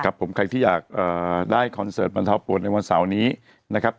ผมใครที่อยากได้คอนเสิร์ตบรรเทาปวดในวันเสาร์นี้นะครับ